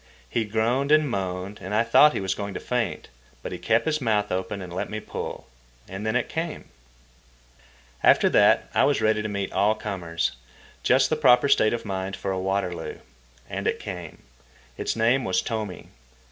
He groaned and moaned, and I thought he was going to faint. But he kept his mouth open and let me pull. And then it came. After that I was ready to meet all comers—just the proper state of mind for a Waterloo. And it came. Its name was Tomi.